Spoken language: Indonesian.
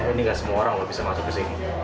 ini gak semua orang bisa masuk ke sini